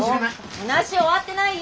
話終わってないよ。